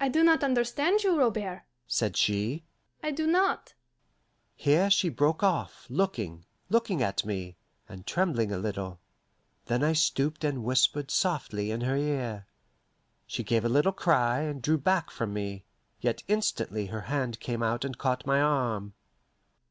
"I do not understand you, Robert," said she. "I do not " Here she broke off, looking, looking at me, and trembling a little. Then I stooped and whispered softly in her ear. She gave a little cry, and drew back from me; yet instantly her hand came out and caught my arm.